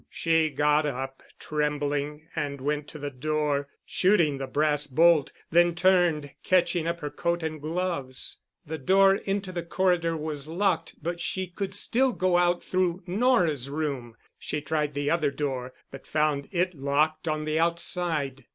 She got up, trembling, and went to the door, shooting the brass bolt, then turned, catching up her coat and gloves. The door into the corridor was locked but she could still go out through Nora's room. She tried the other door, but found it locked on the outside.